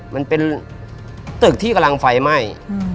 มันเป็นตึกที่กำลังไฟไหม้